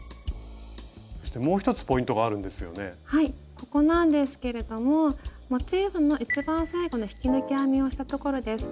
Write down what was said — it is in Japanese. ここなんですけれどもモチーフの一番最後の引き抜き編みをしたところです。